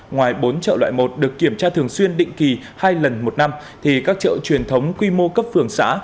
ngoài bốn chợ loại một được kiểm tra thường xuyên định kỳ hai lần một năm thì các chợ truyền thống quy mô cấp phường xã